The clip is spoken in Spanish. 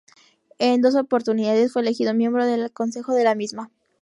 En dos oportunidades fue elegido miembro del Consejo de la misma.